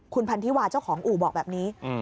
คุณพันธิวาเจ้าของอู่บอกแบบนี้